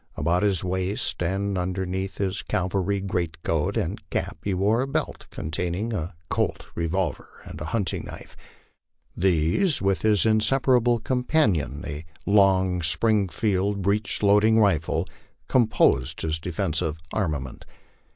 About his waist and under neath his cavalry greatcoat and cape he wore a belt containing a Colt re Tolver and hunting knife ; these, with his inseparable companion, a long Spring field breech loading rifle, composed his defensive armament.